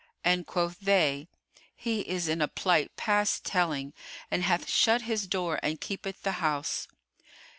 And quoth they, "He is in a plight past telling, and hath shut his door and keepeth the house."